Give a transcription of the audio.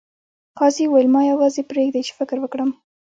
قاضي وویل ما یوازې پریږدئ چې فکر وکړم.